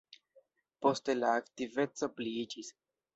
Poste la aktiveco pliiĝis.